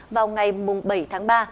vào ngày bảy tháng ba